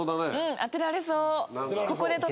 当てられそう。